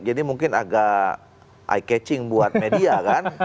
jadi mungkin agak eye catching buat media kan